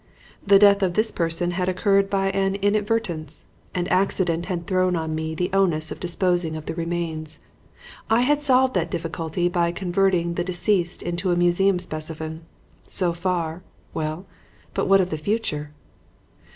The death of this person had occurred by an inadvertence, and accident had thrown on me the onus of disposing of the remains. I had solved that difficulty by converting the deceased into a museum specimen. So far, well, but what of the future?